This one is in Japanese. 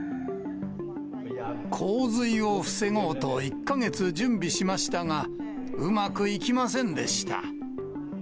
洪水を防ごうと１か月準備しましたが、うまくいきませんでした。